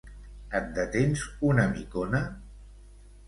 Et detens una micona?